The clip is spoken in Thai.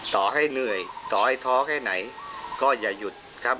ต่อให้เหนื่อยต่อให้ท้อแค่ไหนก็อย่าหยุดครับ